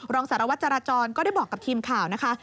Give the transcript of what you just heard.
รองสารวัตรจราจรก็ได้บอกกับทีมข่าวนะคะ